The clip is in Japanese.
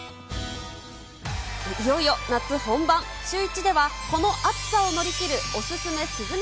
いよいよ夏本番、シューイチでは、この暑さを乗り切るお勧め涼み